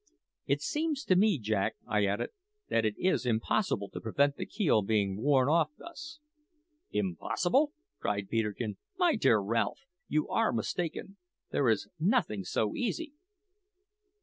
"It seems to me, Jack," I added, "that it is impossible to prevent the keel being worn off thus." "Impossible?" cried Peterkin. "My dear Ralph, you are mistaken; there is nothing so easy."